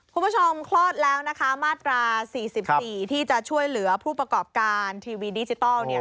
คลอดแล้วนะคะมาตรา๔๔ที่จะช่วยเหลือผู้ประกอบการทีวีดิจิทัล